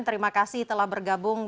terima kasih telah berkongsi